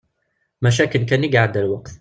Maca akken kan iɛedda lweqt.